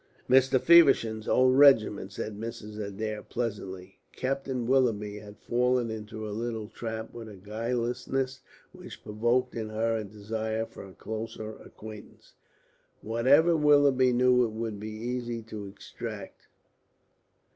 Mr. Feversham's old regiment," said Mrs. Adair, pleasantly. Captain Willoughby had fallen into her little trap with a guilelessness which provoked in her a desire for a closer acquaintanceship. Whatever Willoughby knew it would be easy to extract.